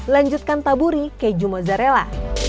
lanjutkan taburi keju mozzarella